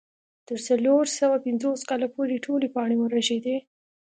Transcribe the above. تر څلور سوه پنځوس کاله پورې ټولې پاڼې ورژېدې.